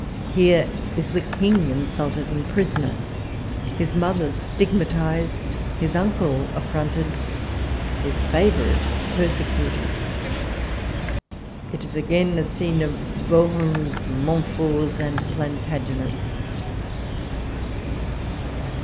Here is the King insulted and prisoner, his Mother stigmatised, his Uncle affronted, his Favourite persecuted. It is again a scene of Bohuns, Montforts, and Plantagenets.